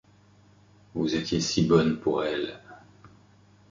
Vous étiez si bonne pour elle...